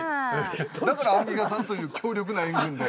だからアンミカさんという強力な援軍で。